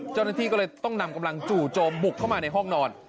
เจ้าหน้าที่ก็เลยต้องนำกำลังจู่โจมบุกเข้ามาในห้องนอน